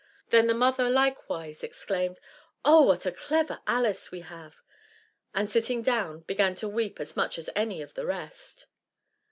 Then the mother likewise exclaimed, "Oh, what a clever Alice we have!" and, sitting down, began to weep as much as any of the rest.